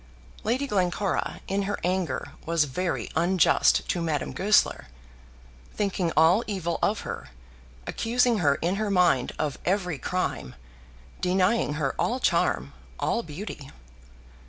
Lady Glencora, in her anger, was very unjust to Madame Goesler, thinking all evil of her, accusing her in her mind of every crime, denying her all charm, all beauty.